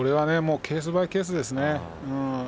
ケースバイケースですね。